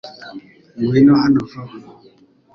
Ngwino hano vuba .